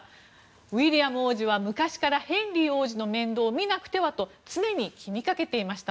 ウィリアム王子は昔からヘンリー王子の面倒を見なくてはと常に気にかけていました。